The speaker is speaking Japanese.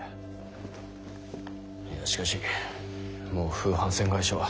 いやしかしもう風帆船会社は。